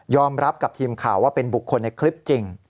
รับกับทีมข่าวว่าเป็นบุคคลในคลิปจริง